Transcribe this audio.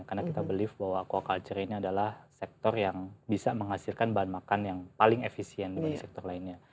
karena kita believe bahwa aquaculture ini adalah sektor yang bisa menghasilkan bahan makan yang paling efisien bagi sektor lainnya